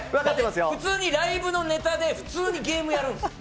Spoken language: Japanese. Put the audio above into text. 普通にライブのネタで普通にゲームやるんです。